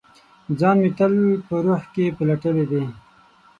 ځان مې تل په روح کې پلټلي دی